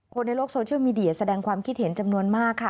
คนในโลกโซเชียลมีเดียแสดงความคิดเห็นจำนวนมากค่ะ